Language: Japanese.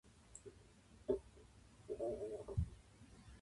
みそきん買えた